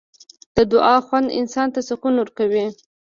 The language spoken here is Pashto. د دعا خوند انسان ته سکون ورکوي.